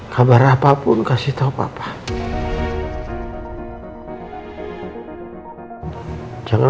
kabar apapun kasih tau papa